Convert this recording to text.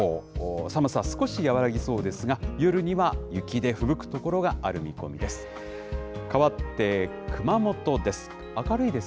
寒さ少し和らぎそうですが、夜には雪でふぶく所がある見込みです。